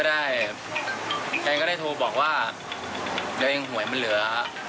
ก็ได้แกก็ได้โทรบอกว่าเดี๋ยวเองหวยมันเหลือ